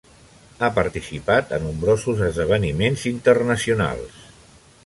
Ha participat a nombrosos esdeveniments internacionals.